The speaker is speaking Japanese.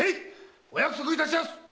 お約束いたします！